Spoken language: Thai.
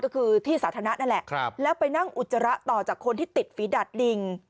ก็คือที่สาธารณะนั่นแหละแล้วไปนั่งอุจจาระต่อจากคนที่ติดฝีดัดลิง